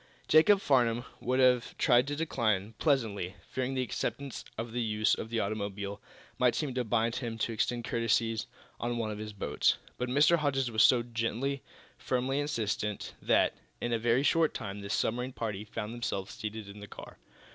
Jacob Farnum would have tried to decline, pleasantly, fearing the acceptance of the use of the automobile might seem to bind him to extend courtesies on one of his boats. But Mr. Hodges was so gently, firmly insistent that, in a very short time, the submarine party found themselves seated in the car.